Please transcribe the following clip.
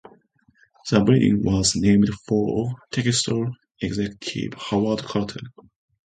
The building was named for textile executive Howard Carter.